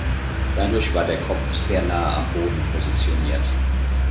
Dadurch war der Kopf sehr nahe am Boden positioniert.